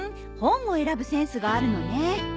本を選ぶセンスがあるのね。